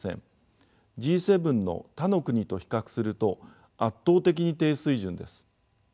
Ｇ７の他の国と比較すると圧倒的に低水準です。